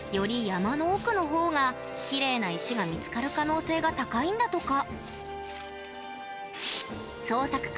山の奥の方がきれいな石が見つかる可能性が高いんだとか。